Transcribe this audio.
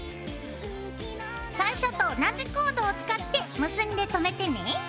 最初と同じコードを使って結んでとめてね。